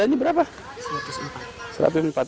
saat ini berat badannya berapa